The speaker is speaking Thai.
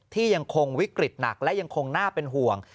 ยังคงวิกฤตหนักและยังคงน่าเป็นห่วง